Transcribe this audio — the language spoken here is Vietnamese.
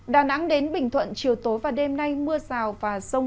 đà nẵng đến bình thuận chiều tối và đêm nay mưa rào và rông